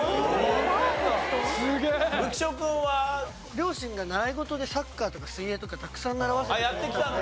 両親が習い事でサッカーとか水泳とかたくさん習わせてくれたので。